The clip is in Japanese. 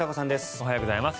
おはようございます。